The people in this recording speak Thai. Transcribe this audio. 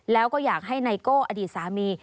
แล้วก็อยากให้ไนโก้อดีตสามี